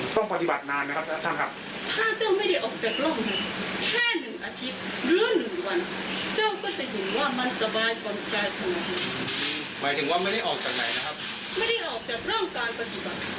ต้องปฏิบัตินานไหมครับท่านครับ